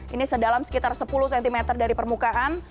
ini sedalam sekitar sepuluh cm dari permukaan